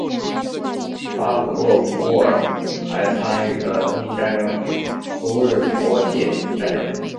巴甫洛夫尔后还参与了冬季战争与苏日国界战争。